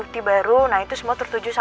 gue udah tau semuanya